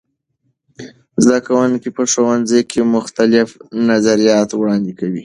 زده کوونکي په ښوونځي کې مختلف نظریات وړاندې کوي.